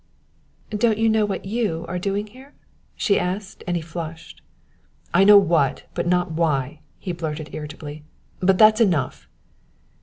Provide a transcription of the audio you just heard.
"Don't you know what you are doing here?" she asked, and he flushed. "I know what, but not why!" he blurted irritably; "but that's enough!"